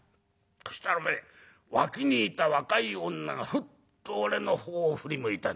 そしたらおめえ脇にいた若い女がふっと俺のほうを振り向いた。